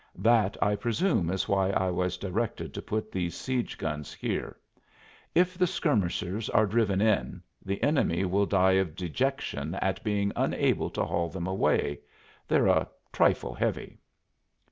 That, I presume, is why I was directed to put these siege guns here: if the skirmishers are driven in the enemy will die of dejection at being unable to haul them away they're a trifle heavy."